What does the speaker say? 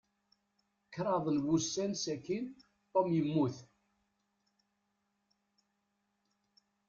Kṛaḍ n wussan sakin, Tom yemmut.